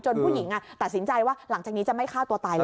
ผู้หญิงตัดสินใจว่าหลังจากนี้จะไม่ฆ่าตัวตายแล้ว